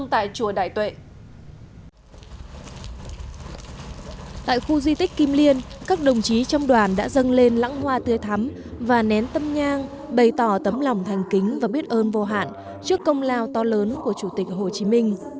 tại khu di tích kim liên các đồng chí trong đoàn đã dâng lên lãng hoa tươi thắm và nén tâm nhang bày tỏ tấm lòng thành kính và biết ơn vô hạn trước công lao to lớn của chủ tịch hồ chí minh